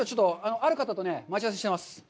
ある方と待ち合わせしています。